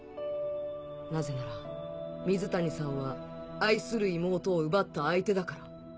なぜなら水谷さんは愛する妹を奪った相手だから。